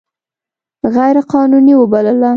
غیر قانوني وبلله.